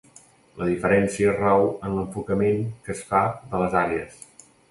La diferència rau en l'enfocament que es fa de les àrees.